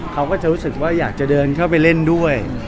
เขาก็จะรู้สึกว่าอยากจะเดินเข้าไปเล่นด้วย